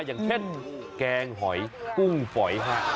อย่างเช่นแกงหอยกุ้งฝอยฮะ